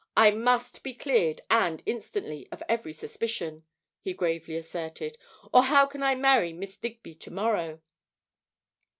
I must be cleared, and instantly, of every suspicion," he gravely asserted, "or how can I marry Miss Digby to morrow."